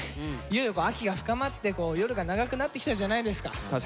いよいよ秋が深まって夜が長くなってきたじゃないですか。